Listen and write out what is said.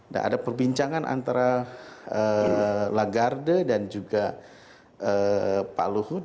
dan ada perbincangan antara lagarde dan juga pak luhut